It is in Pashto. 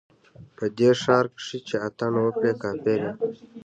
په دې ښار کښې چې اتڼ وکړې، کافر يې